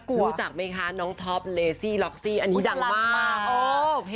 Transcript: รู้จักไหมคะน้องท็อปเลซี่ล็อกซี่อันนี้ดังมาก